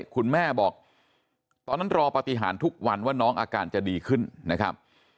คุณแม่บอกตอนนั้นรอปฏิหารทุกวันว่าน้องอาการจะดีขึ้นนะครับ